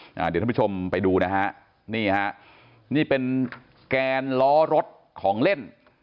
เดี๋ยวท่านผู้ชมไปดูนะฮะนี่ฮะนี่เป็นแกนล้อรถของเล่น